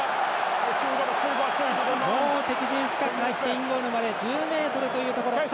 もう敵陣深く入ってインゴールまで１０ｍというところ。